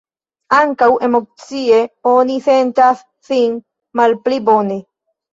Ankaŭ emocie oni sentas sin malpli bone.